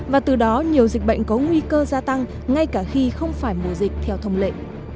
và từ đó nhiều dịch bệnh có nguy cơ gia tăng ngay cả khi không phải mùa dịch theo thông lệ